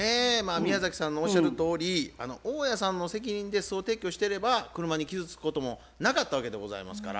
宮崎さんのおっしゃるとおり大家さんの責任で巣を撤去してれば車に傷つくこともなかったわけでございますから。